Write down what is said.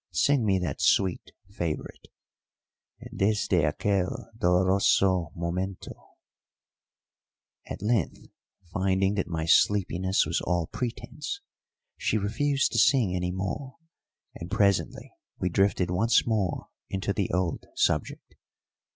Sing me that sweet favourite Desde aquel doloroso momento." At length, finding that my sleepiness was all pretence, she refused to sing any more, and presently we drifted once more into the old subject.